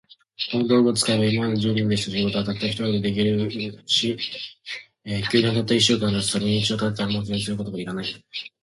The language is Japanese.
この道具を使えば、今まで十人でした仕事が、たった一人で出来上るし、宮殿はたった一週間で建つ。それに一度建てたら、もう修繕することが要らない。